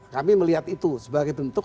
kami melihat itu sebagai bentuk